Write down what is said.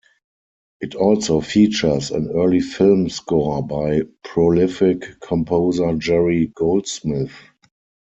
It also features an early film score by prolific composer Jerry Goldsmith.